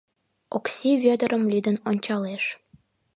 Окси Вӧдырым лӱдын ончалеш.